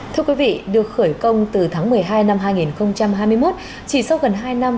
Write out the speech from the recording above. thưa quý vị được khởi công từ tháng một mươi hai năm hai nghìn hai mươi một chỉ sau gần hai năm